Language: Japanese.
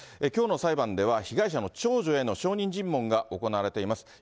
きょうの裁判では、被害者の長女への証人尋問が行われています。